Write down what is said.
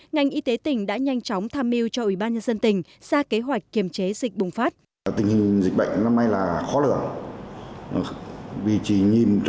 ngành y tế tỉnh đã nhanh chóng tham mưu cho ủy ban nhân dân tỉnh ra kế hoạch kiềm chế dịch bùng phát